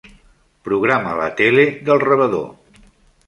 Programa la tele del rebedor.